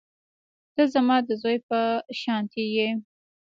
ته زما د زوى په شانتې يې.